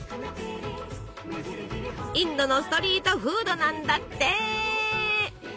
インドのストリートフードなんだって！